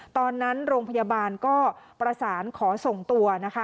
ตอนนั้นโรงพยาบาลก็ประสานขอส่งตัวนะคะ